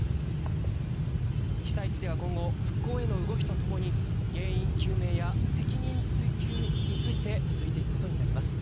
被災地では今後復興への動きとともに、原因究明や責任追及について続いていくことになります。